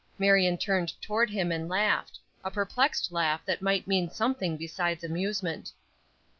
Marion turned toward him and laughed a perplexed laugh that might mean something besides amusement.